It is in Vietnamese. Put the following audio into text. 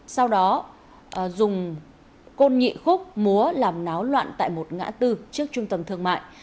sau đó dùng côn nhị khúc múa làm náo loạn tại một ngã tư trước trung tâm thương mại